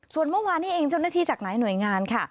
ส่วนเมื่อวานนี้เอิงชนที่จากหลายหน่วยงาน